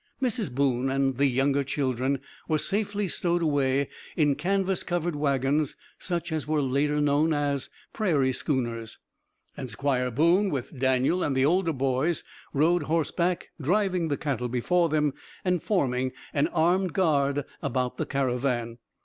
Mrs. Boone and the younger children were safely stowed away in canvas covered wagons, such as were later known as "prairie schooners," and Squire Boone with Daniel and the older boys rode horseback, driving the cattle before them, and forming an armed guard about the caravan.